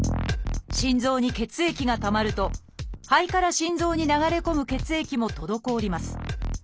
心臓に血液が溜まると肺から心臓に流れ込む血液も滞ります。